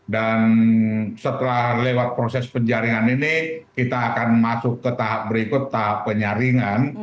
dan setelah lewat proses penjaringan ini kita akan masuk ke tahap berikut tahap penyaringan